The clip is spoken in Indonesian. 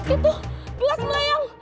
itu gelas melayang